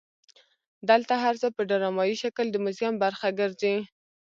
دلته هر څه په ډرامایي شکل د موزیم برخه ګرځي.